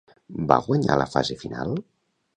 Va guanyar la fase final?